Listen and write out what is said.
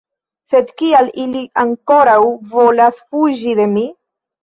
Sed kial ili ankoraŭ volas fuĝi de mi?